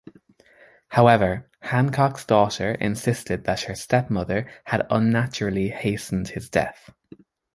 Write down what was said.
However, Hancock's daughter insisted that her stepmother had unnaturally hastened his death.